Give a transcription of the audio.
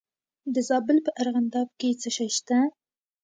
د زابل په ارغنداب کې څه شی شته؟